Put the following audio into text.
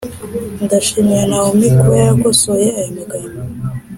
ndashimira naomi kuba yarakosoye aya magambo.